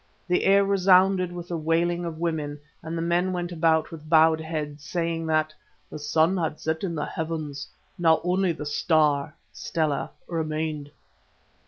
The air resounded with the wailing of women, and the men went about with bowed heads, saying that "the sun had set in the heavens, now only the Star (Stella) remained."